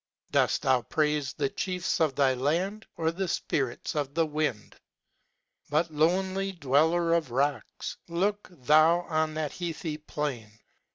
Doft thou praife the chiefs of thy land ; or the fpirits * of the wind ? But, lonely dweller of rocks ! look thou on that heathy plain.